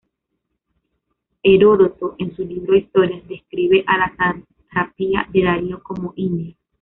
Heródoto, en su libro "Historias", describe a la satrapía de Darío como India.